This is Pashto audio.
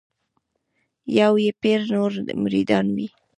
یو یې پیر نور مریدان وي